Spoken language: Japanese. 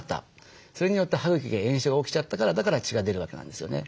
それによって歯茎が炎症が起きちゃったからだから血が出るわけなんですよね。